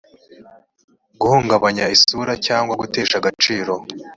guhungabanya isura cyangwa gutesha agaciro